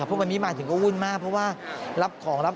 คือแม้ว่าจะมีการเลื่อนงานชาวพนักกิจแต่พิธีไว้อาลัยยังมีครบ๓วันเหมือนเดิม